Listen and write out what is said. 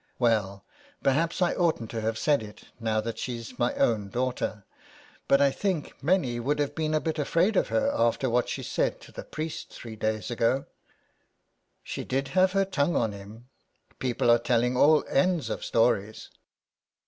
" Well, perhaps I oughtn't to have said it now that she's my own daughter, but I think many would have been a bit afraid of her after what she said to the priest three days ago," '' She did have her tongue on him. People are telling all ends of stories."